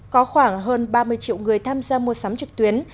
có khoảng hơn ba mươi triệu người tham gia mua sắm trực tuyến